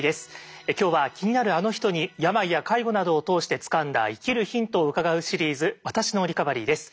今日は気になるあの人に病や介護などを通してつかんだ生きるヒントを伺うシリーズ「私のリカバリー」です。